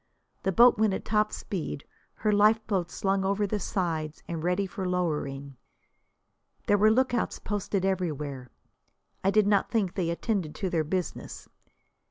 The boat went at top speed, her lifeboats slung over the sides and ready for lowering. There were lookouts posted everywhere. I did not think they attended to their business.